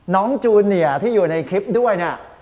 น้องจูเนี่ยที่อยู่ในคลิปด้วย